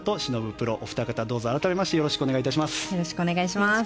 プロお二方どうぞ改めましてよろしくお願いします。